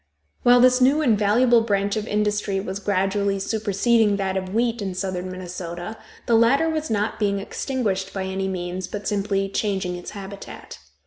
While this new and valuable branch of industry was gradually superseding that of wheat in southern Minnesota, the latter was not being extinguished by any means, but simply changing its habitat.